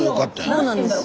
そうなんですよ。